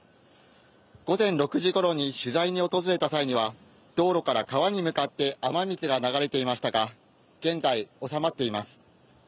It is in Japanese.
午前６時ごろに取材に訪れた際には道路から川に向かって雨水が流れていましたが、現在、収まっています。